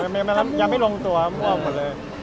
ย้ายังไม่ลงตัวมอบกว่าเลย